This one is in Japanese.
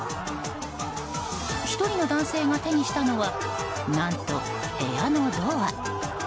１人の男性が手にしたのは何と部屋のドア。